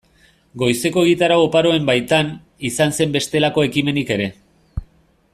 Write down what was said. Goizeko egitarau oparoaren baitan, izan zen bestelako ekimenik ere.